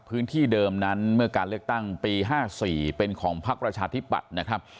พื้นที่เดิมนั้นเมื่อการเลือกตั้งปี๕๔เป็นของพักประชาธิปัตย์นะครับ